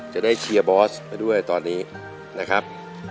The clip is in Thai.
จะได้เชียร์บอสไปด้วยตอนนี้นะครับ